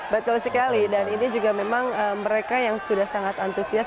betul sekali dan ini juga memang mereka yang sudah sangat antusias